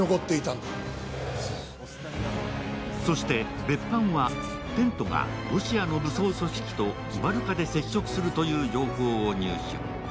そして、別班はテントがロシアの武装組織とバルカで接触するという情報を入手。